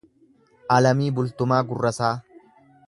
Alamii Bultumaa Gurrasaa